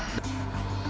masih berjalan dengan baik